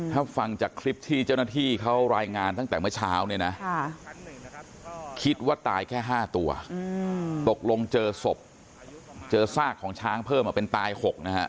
ถ้าฟังจากคลิปที่เจ้าหน้าที่เขารายงานตั้งแต่เมื่อเช้าเนี่ยนะคิดว่าตายแค่๕ตัวตกลงเจอศพเจอซากของช้างเพิ่มเป็นตาย๖นะฮะ